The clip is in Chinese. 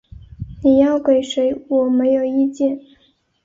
你要给谁我没有意见